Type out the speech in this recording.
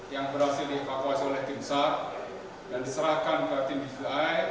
yang berhasil dievakuasi oleh tim sar dan diserahkan ke tim dvi